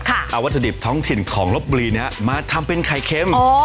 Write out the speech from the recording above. เอาวัตถุดิบท้องถิ่นของลบบุรีนี้มาทำเป็นไข่เค็ม